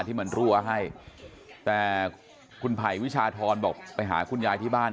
ที่มันรั่วให้แต่คุณไผ่วิชาธรบอกไปหาคุณยายที่บ้าน